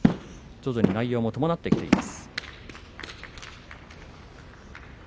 徐々に内容も伴ってきています。